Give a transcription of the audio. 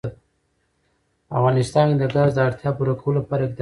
په افغانستان کې د ګاز د اړتیاوو پوره کولو لپاره اقدامات کېږي.